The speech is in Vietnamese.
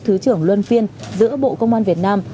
thứ trưởng luân phiên giữa bộ công an việt nam